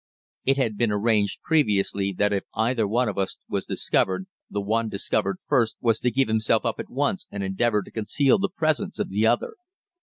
"It had been arranged previously that if either of us was discovered the one discovered first was to give himself up at once and endeavor to conceal the presence of the other.